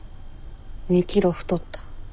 ２キロ太った。